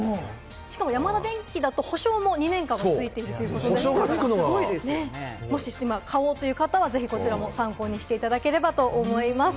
しかもヤマダデンキですと保証も２年間ついているということで、もし今買おうという方は、こちらもどうぞ参考にしていただければと思います。